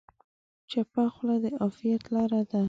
چپه خوله، د عافیت لاره ده.